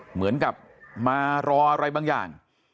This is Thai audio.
เหมือนกับมารออะไรบางอย่าง